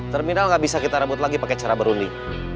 terminal gak bisa kita rebut lagi pake cara berundi